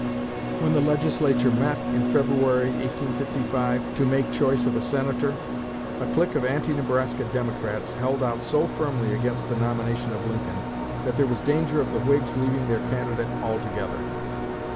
When the Legislature met, in February, 1855, to make choice of a Senator, a clique of anti Nebraska Democrats held out so firmly against the nomination of Lincoln that there was danger of the Whigs leaving their candidate altogether.